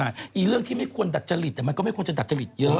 ทีนี้ไม่ควรจะดัดจริตมันก็ไม่ควรจะดัดจริตเยอะ